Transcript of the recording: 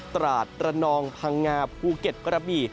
ตราดระนองพังงาภูเก็ตกระบี่